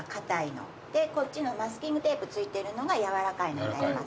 でこっちのマスキングテープ付いてるのが軟らかいのになります。